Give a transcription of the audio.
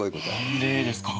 何でですか？